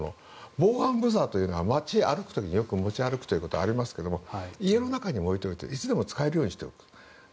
防犯ブザーは街を歩く時に持ち歩くことがありますが家の中にも置いておいていつでも使えるようにしておく。